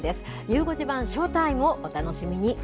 ゆう５時版ショータイム！をお楽しみに。